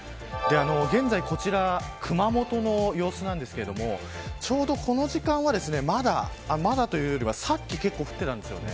現在、こちら熊本の様子なんですがちょうどこの時間はさっき結構降っていたんです。